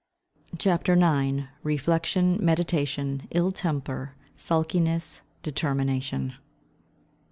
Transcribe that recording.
CHAPTER IX. REFLECTION—MEDITATION ILL TEMPER—SULKINESS—DETERMINATION.